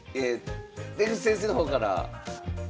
出口先生の方から？